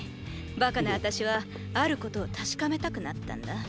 バカなあたしはあることを確かめたくなったんだ。